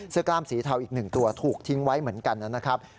กล้ามสีเทาอีก๑ตัวถูกทิ้งไว้เหมือนกันนะครับ